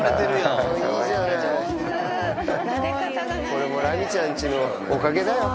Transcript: これもラミちゃん家のおかげだよ。